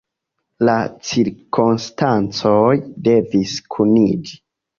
La cirkonstancoj devis kuniĝi.